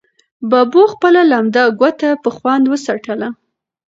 ببو خپله لمده ګوته په خوند وڅټله.